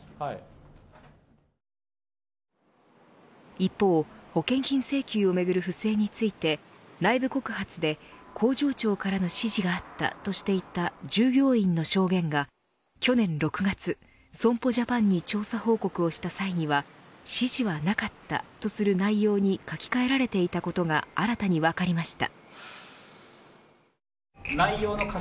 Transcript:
一方、保険金請求をめぐる不正について内部告発で工場長からの指示があったとしていた従業員の証言が去年６月、損保ジャパンに調査報告をした際には指示はなかったとする内容に書き換えられていたことが新たに分かりました。